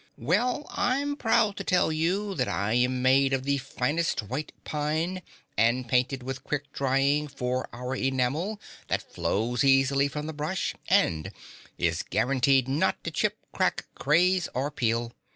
"Well, I'm proud to tell you that I am made of the finest white pine and painted with quick drying four hour enamel that flows easily from the brush and is guaranteed not to chip, crack, craze or peel.